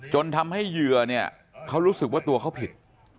จนทำให้เหยื่อเนี่ยเขารู้สึกว่าตัวเขาผิด